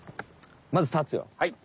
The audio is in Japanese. まずたつよ。